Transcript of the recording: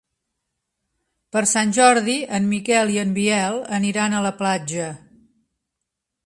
Per Sant Jordi en Miquel i en Biel aniran a la platja.